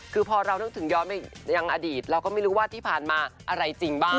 คือพอเรานึกถึงย้อนไปยังอดีตเราก็ไม่รู้ว่าที่ผ่านมาอะไรจริงบ้าง